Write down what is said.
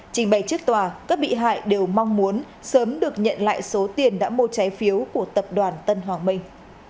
trình bày trước tòa các bị hại đều mong muốn sớm được nhận lại số tiền đã mua trái phiếu của tập đoàn tân hoàng minh